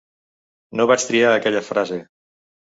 No vaig triar aquella frase.